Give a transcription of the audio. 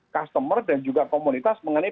customer dan juga komunitas mengenai